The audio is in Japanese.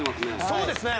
そうですね。